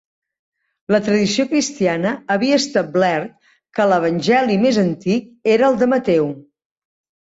La tradició cristiana havia establert que l'evangeli més antic era el de Mateu.